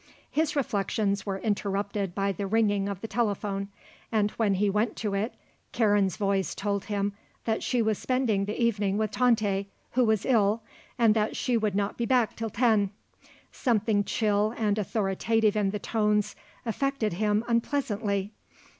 His reflections were interrupted by the ringing of the telephone and when he went to it Karen's voice told him that she was spending the evening with Tante, who was ill, and that she would not be back till ten. Something chill and authoritative in the tones affected him unpleasantly.